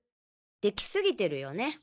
出来すぎてるよね。